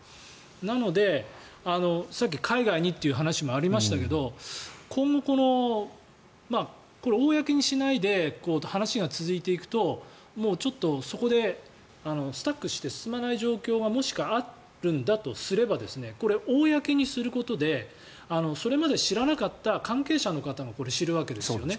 なので、さっき海外にという話もありましたけど今後、公にしないで話が続いていくとちょっとそこでスタックして進まない状況がもしあるんだとすれば公にすることでそれまで知らなかった関係者の方がこれを知るわけですね。